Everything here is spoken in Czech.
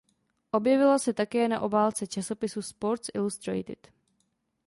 Objevila se také na obálce časopisu "Sports Illustrated".